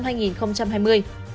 về vận hành trong tháng chín